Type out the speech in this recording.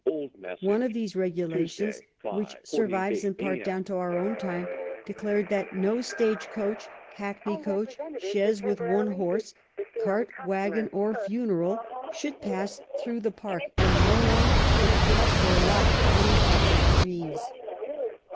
One of these regulations, which survives in part down to our own time, declared that " no stage coach, hackney coach, chaise with one horse, cart, waggon or funeral should pass through the park, and no one should cut or lop any of the trees."